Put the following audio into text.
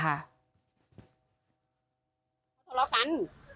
ทะเลาะกัน